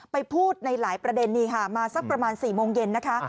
พูดในหลายประเด็นนี่ค่ะมาสักประมาณ๔โมงเย็นนะคะ